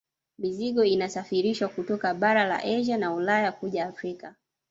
Mizigo inasafirishwa kutoka bara la Asia na Ulaya kuja Afrika